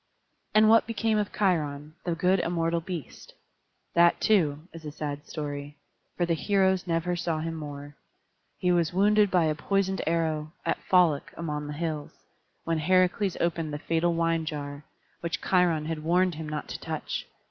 And what became of Cheiron, the good immortal beast? That, too, is a sad story; for the heroes never saw him more. He was wounded by a poisoned arrow, at Pholoc among the hills, when Heracles opened the fatal wine jar, which Cheiron had warned him not to touch.